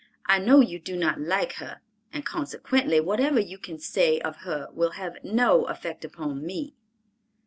I know you do not like her, and consequently, whatever you can say of her will have no effect upon me."